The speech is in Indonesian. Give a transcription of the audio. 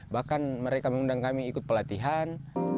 bahkan mereka mengundang kami ikut pelatihan